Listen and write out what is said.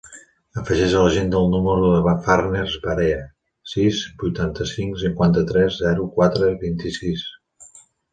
Afegeix a l'agenda el número de la Farners Barea: sis, vuitanta-cinc, cinquanta-tres, zero, quatre, vint-i-sis.